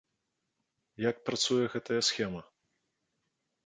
Як працуе гэтая схема?